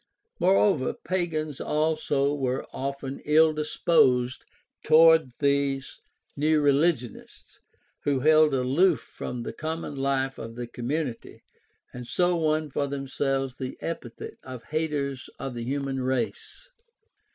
Moreover, pagans also were often ill disposed toward these new religionists who held aloof from the common life of the community, and so won for themselves the epithet of " haters of the human race."